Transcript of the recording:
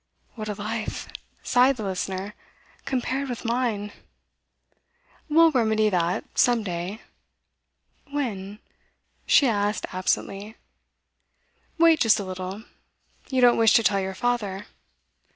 'What a life,' sighed the listener, 'compared with mine!' 'We'll remedy that, some day.' 'When?' she asked absently. 'Wait just a little. You don't wish to tell your father?